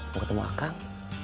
mau ketemu akang